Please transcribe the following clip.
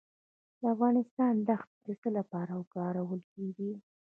د افغانستان دښتې د څه لپاره کارول کیږي؟